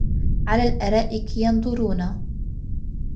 عَلَى الْأَرَائِكِ يَنْظُرُونَ